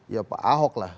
ya pak ahok lah